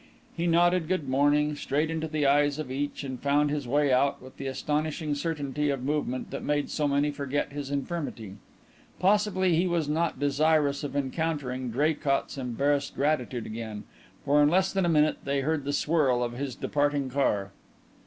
He nodded "Good morning" straight into the eyes of each and found his way out with the astonishing certainty of movement that made so many forget his infirmity. Possibly he was not desirous of encountering Draycott's embarrassed gratitude again, for in less than a minute they heard the swirl of his departing car.